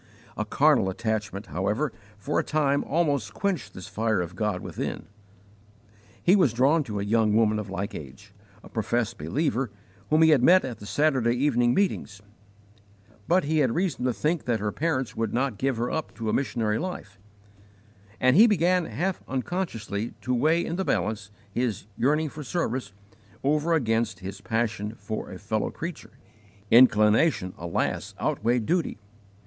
A carnal attachment, however, for a time almost quenched this fire of God within. He was drawn to a young woman of like age, a professed believer, whom he had met at the Saturday evening meetings; but he had reason to think that her parents would not give her up to a missionary life, and he began, half unconsciously, to weigh in the balance his yearning for service over against his passion for a fellow creature. Inclination, alas, outweighed duty.